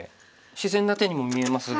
自然な手にも見えますが。